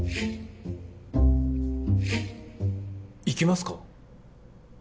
行きますか？